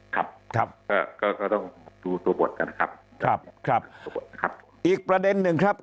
ครับครับก็ก็ก็ต้องดูตัวบทกันครับครับตัวบทนะครับอีกประเด็นหนึ่งครับ